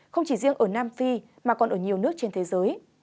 không chỉ riêng ở nam phi mà còn ở nhiều nước trên thế giới